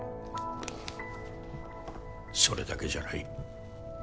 それだけじゃない。